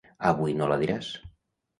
Avui no la diràs.